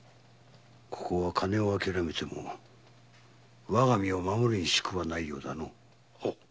ここは金をあきらめてもわが身を守るにしくはないようだ。